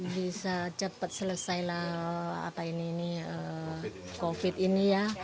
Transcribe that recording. bisa cepat selesailah apa ini nih covid ini ya